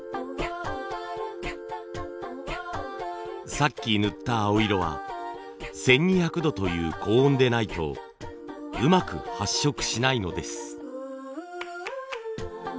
さっき塗った青色は１，２００度という高温でないとうまく発色しないのです。